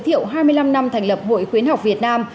thiệu hai mươi năm năm thành lập hội khuyến học việt nam